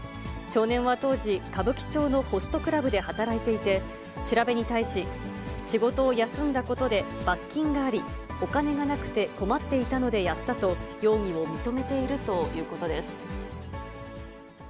少年は当時、歌舞伎町のホストクラブで働いていて、調べに対し、仕事を休んだことで罰金があり、お金がなくて困っていたのでやったと、容疑を認めているということです。